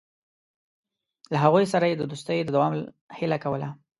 له هغوی سره یې د دوستۍ د دوام هیله کوله.